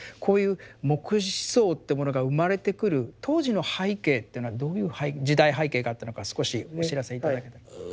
こういう黙示思想ってものが生まれてくる当時の背景っていうのはどういう時代背景があったのか少しお知らせ頂けたらと。